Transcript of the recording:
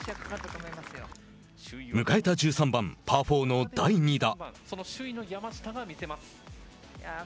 迎えた１３番、パー４の第２打。